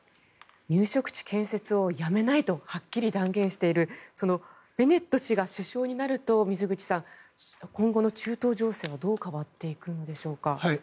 入植地建設をやめないとはっきり断言しているそのベネット氏が首相になると水口さん、今後の中東情勢はどう変わっていくんでしょうか。